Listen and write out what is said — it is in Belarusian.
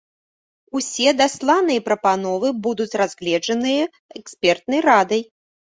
Усе дасланыя прапановы будуць разгледжаныя экспертнай радай.